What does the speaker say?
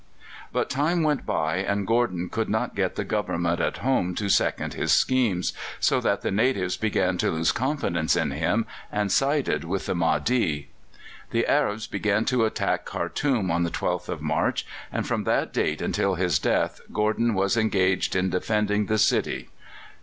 But time went by, and Gordon could not get the Government at home to second his schemes, so that the natives began to lose confidence in him, and sided with the Mahdi. The Arabs began to attack Khartoum on the 12th of March, and from that date until his death Gordon was engaged in defending the city.